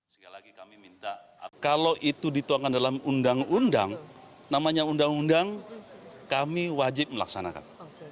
sekali lagi kami minta kalau itu dituangkan dalam undang undang namanya undang undang kami wajib melaksanakan